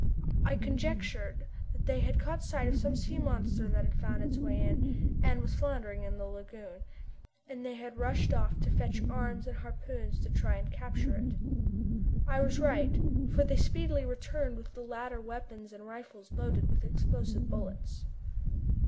I conjectured that they had caught sight of some sea monster that had found its way in, and was floundering in the lagoon, and that they had rushed off to fetch arms and harpoons to try and capture it. I was right, for they speedily returned with the latter weapons and rifles loaded with explosive bullets.